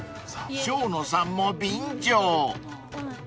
［生野さんも便乗］